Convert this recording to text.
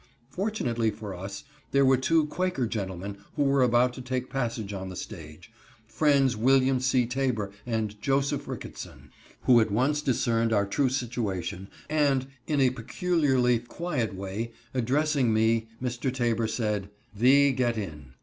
Fortunately for us, there were two Quaker gentlemen who were about to take passage on the stage,—Friends William C. Taber and Joseph Ricketson,—who at once discerned our true situation, and, in a peculiarly quiet way, addressing me, Mr. Taber said: "Thee get in."